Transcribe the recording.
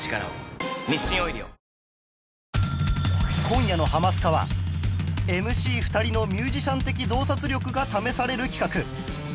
今夜の『ハマスカ』は ＭＣ２ 人のミュージシャン的洞察力が試される企画